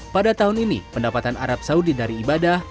pada tahun ini pendapatan arab saudi dari ibadah